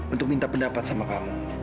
untuk minta pendapat sama kamu